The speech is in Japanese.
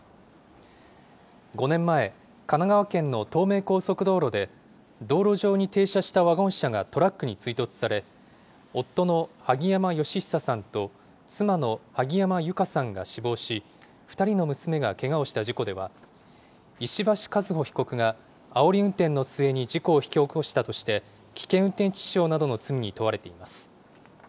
５年前、神奈川県の東名高速道路で、道路上に停車したワゴン車がトラックに追突され、夫の萩山嘉久さんと、妻の萩山友香さんが死亡し、２人の娘がけがをした事故では、石橋和歩被告があおり運転のすえに事故を引き起こしたとして、危険運転致死傷などの罪に問われています。